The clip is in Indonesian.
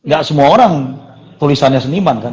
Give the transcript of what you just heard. gak semua orang tulisannya seniman kan